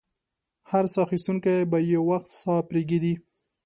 هر ساه اخیستونکی به یو وخت ساه پرېږدي.